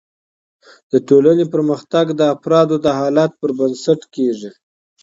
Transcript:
د ټولني پرمختګ د افرادو د حالت پر بنسټ کیږي.